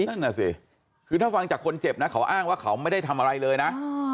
นั่นน่ะสิคือถ้าฟังจากคนเจ็บนะเขาอ้างว่าเขาไม่ได้ทำอะไรเลยนะ